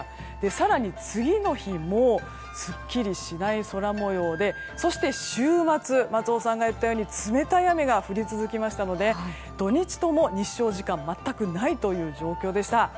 更に次の日もすっきりしない空模様でそして週末松尾さんが言ったように冷たい雨が降り続けましたので土日とも日照時間全くないという状況でした。